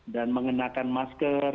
dan mengenakan masker